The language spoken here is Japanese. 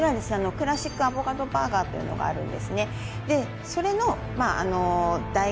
クラシックアボカドバーガーというのがあるんですね